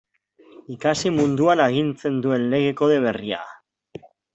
Ikasi munduan agintzen duen Lege Kode berria.